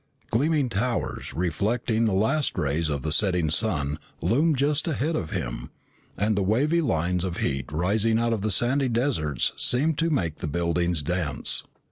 Gleaming towers, reflecting the last rays of the setting sun, loomed just ahead of him, and the wavy lines of heat rising out of the sandy deserts seemed to make the buildings dance.